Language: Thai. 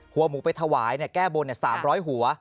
หัวหมูไปถวายแก้บน๓๐๐หัว